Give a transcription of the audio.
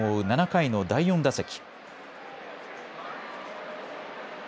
７回の第４打席。